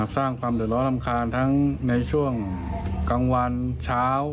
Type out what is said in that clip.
สร้างความเดือดร้อนรำคาญทั้งในช่วงกลางวันเช้า